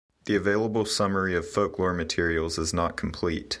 The available summary of folklore materials is not complete.